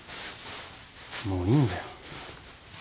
もういいんだよ。